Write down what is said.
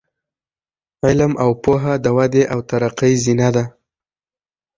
علم او پوهه د ودې او ترقۍ زینه ده.